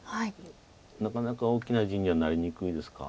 なかなか大きな地にはなりにくいですか。